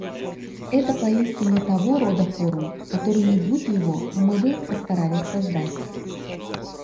Это поистине того рода форум, который, не будь его, мы бы постарались создать.